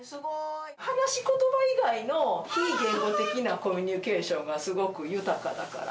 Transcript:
話しことば以外の非言語的なコミュニケーションがすごく豊かだから。